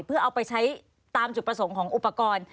เพื่อเอาไปใช้ตามจุดประสงค์ของอุปกรณ์